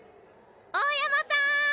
大山さん。